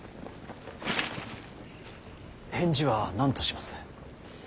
返事は何とします。